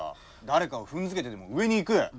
誰かを踏んづけてでも上に行く。